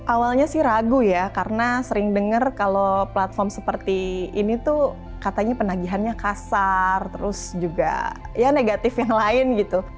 awalnya sih ragu ya karena sering dengar kalau platform seperti ini tuh katanya penagihannya kasar terus juga ya negatif yang lain gitu